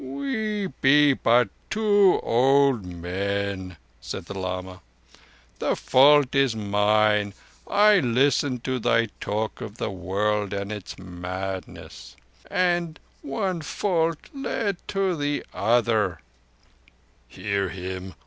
"We be two old men," said the lama. "The fault is mine. I listened to thy talk of the world and its madness, and one fault led to the next." "Hear him!